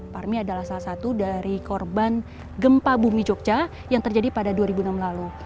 parmi adalah salah satu dari korban gempa bumi jogja yang terjadi pada dua ribu enam lalu